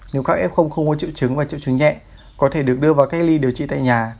nếu các em không có triệu chứng và triệu chứng nhẹ có thể được đưa vào cách ly điều trị tại nhà